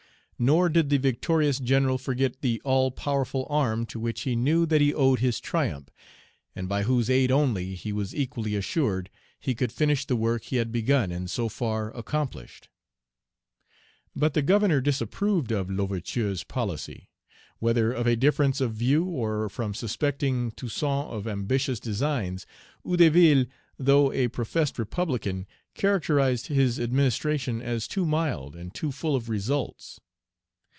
Nor did the victorious general forget the All powerful Arm to which he knew that he owed his triumph, and by whose aid only, he was equally assured, he could finish the work he had begun and so far accomplished. But the Governor disapproved of L'Ouverture's policy. Whether from a difference of view, or from suspecting Toussaint of ambitious designs, Hédouville, though a professed Republican, characterized his administration as "too mild and too full of results."